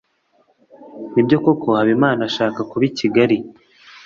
Nibyo koko Habimana ashaka kuba i kigali?